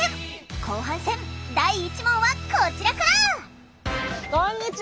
後半戦第１問はこちらから。